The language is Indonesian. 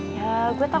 iya autant mah